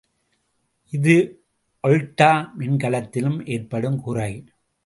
இது ஒல்ட்டா மின்கலத்தில் ஏற்படும் குறை.